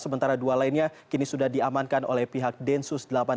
sementara dua lainnya kini sudah diamankan oleh pihak densus delapan puluh delapan